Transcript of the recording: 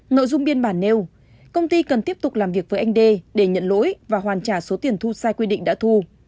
nội dung biên bản nêu công ty cần tiếp tục làm việc với anh đê để nhận lỗi và hoàn trả số tiền thu sai quy định đã thu